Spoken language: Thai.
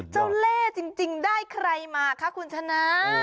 เล่จริงได้ใครมาคะคุณชนะ